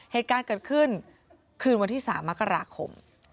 เหตุการณ์เกิดขึ้นคืนวันที่๓มกราคม